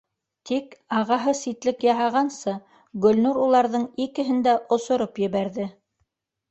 Тик ағаһы ситлек яһағансы, Гөлнур уларҙың икеһен дә осороп ебәрҙе.